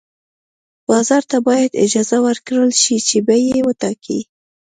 بازار ته باید اجازه ورکړل شي چې بیې وټاکي.